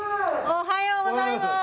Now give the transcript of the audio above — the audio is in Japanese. おはようございます。